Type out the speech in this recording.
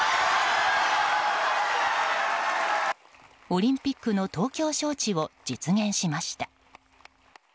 オリンピックの東京招致を実現しました。